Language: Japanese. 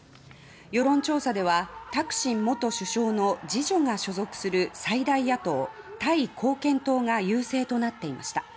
世論調査ではタクシン元首相の次女が所属する最大野党、タイ貢献党が優勢となっていました。